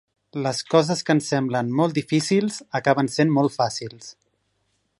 Les coses que ens semblen molt difícils acaben sent molt fàcils.